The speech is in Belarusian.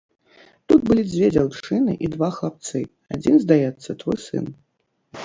Тут былі дзве дзяўчыны і два хлапцы, адзін, здаецца, твой сын.